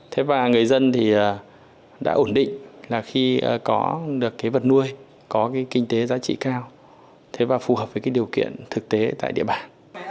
thế và người dân thì đã ổn định là khi có được cái vật nuôi có cái kinh tế giá trị cao thế và phù hợp với cái điều kiện thực tế tại địa bàn